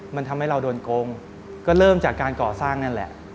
มันทำให้เราโดนโกงก็เริ่มจากการก่อสร้างนั่นแหละ